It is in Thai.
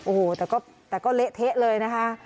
โอ้โหแต่ก็เละเทะเลยนะคะ